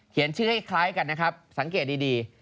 ชื่อให้คล้ายกันนะครับสังเกตดี